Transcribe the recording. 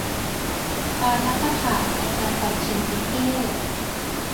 ปาฐกถาในงานปัจฉิมนิเทศ